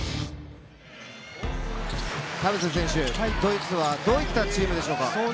田臥選手、ドイツはどういったチームでしょうか？